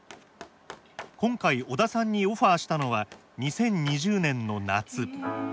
今回小田さんにオファーしたのは２０２０年の夏。